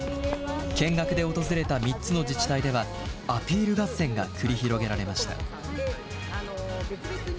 見学で訪れた３つの自治体ではアピール合戦が繰り広げられました。